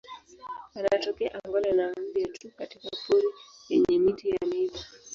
Anatokea Angola na Namibia tu katika pori yenye miti ya miiba.